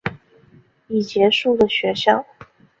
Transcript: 已结束的学校